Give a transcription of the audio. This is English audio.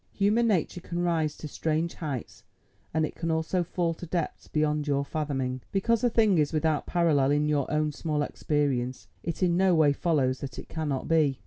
Human nature can rise to strange heights, and it can also fall to depths beyond your fathoming. Because a thing is without parallel in your own small experience it in no way follows that it cannot be.